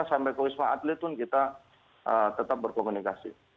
sampai ke wisma atlet pun kita tetap berkomunikasi